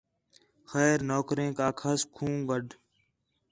خیر نوکریک آکھاس کھوں گڈھ